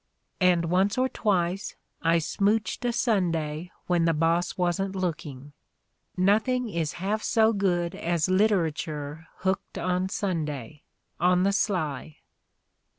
And once or twice I smouched a Sunday when the boss wasn't look ing. Nothing is half so good as literature hooked on Sunday, on the sly."